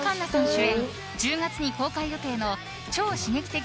主演１０月に公開予定の超刺激的